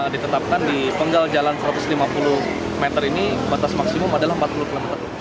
ditetapkan di penggal jalan satu ratus lima puluh meter ini batas maksimum adalah empat puluh km